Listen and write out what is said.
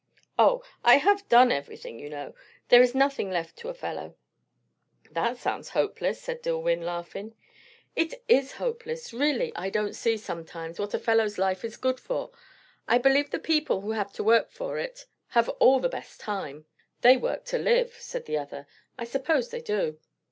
O, I have done everything, you know. There is nothing left to a fellow." "That sounds hopeless," said Dillwyn, laughing. "It is hopeless. Really I don't see, sometimes, what a fellow's life is good for. I believe the people who have to work for it, have after all the best time!" "They work to live," said the other. "I suppose they do."